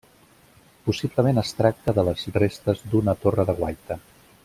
Possiblement es tracta de les restes d'una torre de guaita.